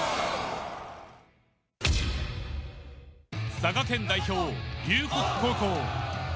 佐賀県代表・龍谷高校。